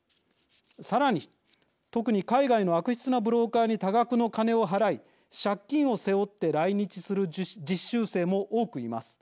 さらに特に海外の悪質なブローカーに多額の金を払い借金を背負って来日する実習生も多くいます。